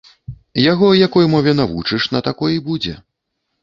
Яго якой мове навучыш, на такой і будзе.